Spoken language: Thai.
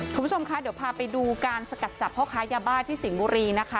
คุณผู้ชมคะเดี๋ยวพาไปดูการสกัดจับพ่อค้ายาบ้าที่สิงห์บุรีนะคะ